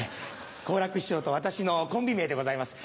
好楽師匠と私のコンビ名でございます。